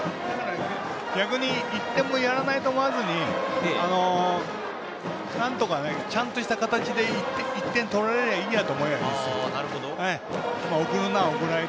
逆に１点もやらないと思わずになんとか、ちゃんとした形で１点取られればいいと思うことです。